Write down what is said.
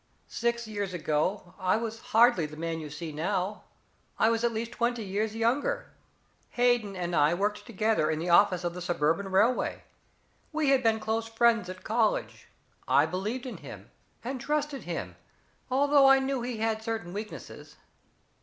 Six years ago I was hardly the man you see now I was at least twenty years younger. Hayden and I worked together in the office of the Suburban Railway. We had been close friends at college I believed in him and trusted him, although I knew he had certain weaknesses.